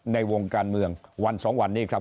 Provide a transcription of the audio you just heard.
ในวงการเมืองวันสองวันนี้ครับ